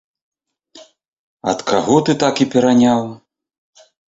Ад каго ты так і пераняў?!